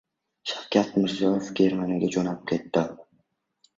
Shavkat Mirziyoyev Germaniyaga jo‘nab ketdi